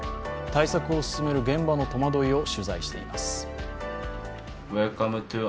対策を進める現場の戸惑いを取材しています。